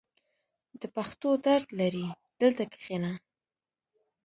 • د پښو درد لرې؟ دلته کښېنه.